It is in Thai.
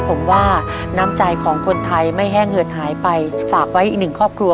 ผมว่าน้ำใจของคนไทยไม่แห้งเหือดหายไปฝากไว้อีกหนึ่งครอบครัว